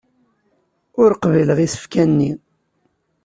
Ur qbileɣ isefka-nni.